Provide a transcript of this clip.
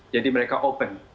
jadi mereka open